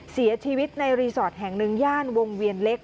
เสียชีวิตในรีสอร์ทแห่งหนึ่งย่านวงเวียนเล็ก